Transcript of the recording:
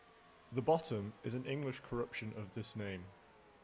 "The Bottom" is an English corruption of this name.